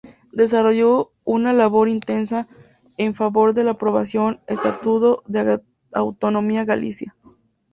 Desarrolló una labor intensa en favor de la aprobación Estatuto de autonomía Galicia.